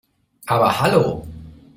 Aber hallo!